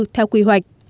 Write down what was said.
theo quy hoạch